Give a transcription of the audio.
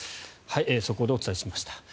速報でお伝えしました。